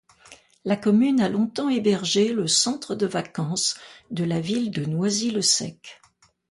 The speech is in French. La commune a longtemps hébergé le centre de vacances de la ville de Noisy-le-Sec.